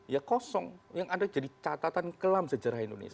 yang tidak pernah terselesaikan secara hukum yang ada jadi catatan kelam sejarah indonesia